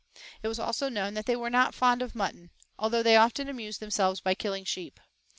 It was also known that they were not fond of mutton, although they often amused themselves by killing sheep.